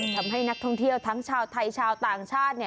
ทำให้นักท่องเที่ยวทั้งชาวไทยชาวต่างชาติ